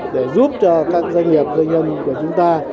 để giúp cho các doanh nghiệp doanh nhân của chúng ta